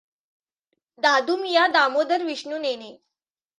दादूमिया Damodar Vishnu Nene